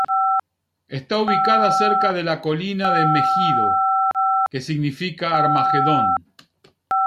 Está ubicada cerca de la colina de Megido, que significa Armagedón.